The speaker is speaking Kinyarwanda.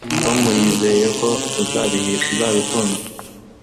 tom yizeye ko uzabikunda